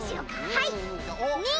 はい！